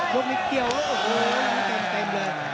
โบ๊ทนิดเกียวโอ้โหมันเต็มเลย